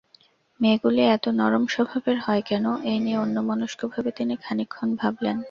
মেয়েগুলি এত নরম স্বভাবের হয় কেন, এই নিয়ে অন্যমনস্কভাবে তিনি খানিকক্ষণ ভাবলেন।